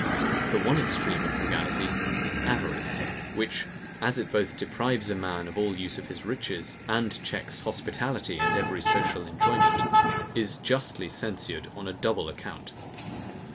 The one extreme of frugality is avarice, which, as it both deprives a man of all use of his riches, and checks hospitality and every social enjoyment, is justly censured on a double account.